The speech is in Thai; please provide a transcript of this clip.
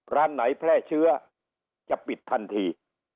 ร้านไหนแพร่เชื้อจะปิดทันที